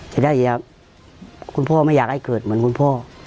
จะได้อย่าคุณพ่อไม่อยากให้เกิดเหมือนคุณพ่อ